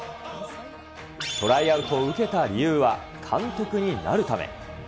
トライアウトを受けた理由は、監督になるため。